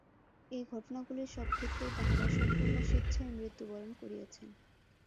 এই ঘটনাগুলির সব ক্ষেত্রেই তাঁহারা সম্পূর্ণ স্বেচ্ছায় মৃত্যুবরণ করিয়াছেন।